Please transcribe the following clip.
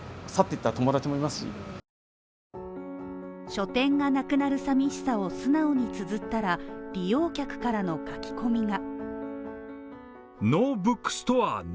書店がなくなる寂しさを素直につづったら利用客からの書き込みが。